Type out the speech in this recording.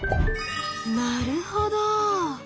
なるほど！